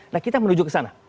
nah kita menuju ke sana